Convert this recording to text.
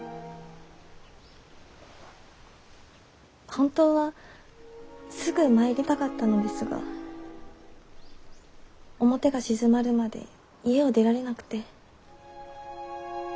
本当はすぐ参りたかったのですが表が静まるまで家を出られなくて。